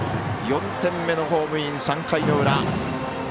４点目のホームイン、３回の裏。